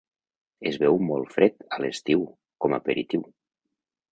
Es beu molt fred, a l'estiu, com aperitiu.